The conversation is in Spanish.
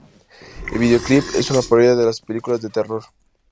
El vídeoclip es una parodia de las películas de terror.